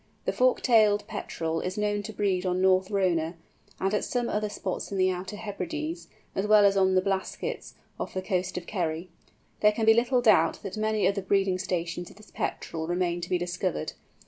The Fork tailed Petrel is known to breed on North Rona, and at some other spots in the Outer Hebrides, as well as on the Blaskets off the coast of Kerry. There can be little doubt that many other breeding stations of this Petrel remain to be discovered.